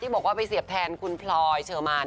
บอกว่าไปเสียบแทนคุณพลอยเชอร์มาน